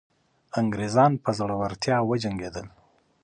انګریزان په زړورتیا وجنګېدل.